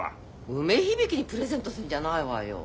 梅響にプレゼントするんじゃないわよ。